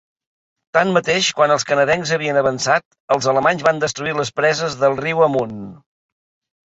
Tanmateix, quan els canadencs havien avançat, els alemanys van destruir les presses de riu amunt.